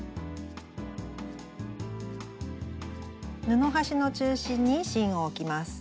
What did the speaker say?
布端の中心に芯を置きます。